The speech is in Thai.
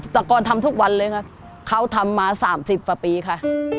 แต่ก่อนทำทุกวันเลยค่ะเขาทำมา๓๐กว่าปีค่ะ